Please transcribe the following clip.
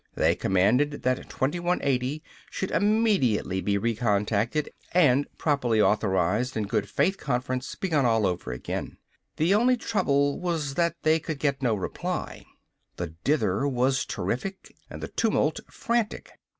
They commanded that 2180 should immediately be re contacted and properly authorized and good faith conference begun all over again. The only trouble was that they could get no reply. The dither was terrific and the tumult frantic.